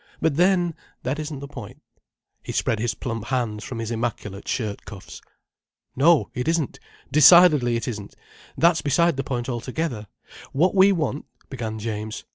But then—that isn't the point—" He spread his plump hands from his immaculate shirt cuffs. "No, it isn't. Decidedly it isn't. That's beside the point altogether. What we want—" began James.